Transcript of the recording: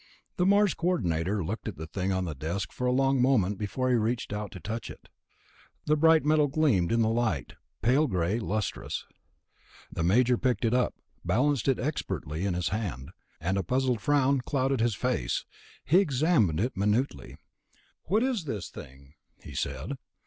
The Mars Coordinator looked at the thing on the desk for a long moment before he reached out to touch it. The bright metal gleamed in the light, pale gray, lustrous. The Major picked it up, balanced it expertly in his hand, and a puzzled frown clouded his face. He examined it minutely. "What is this thing?" he said.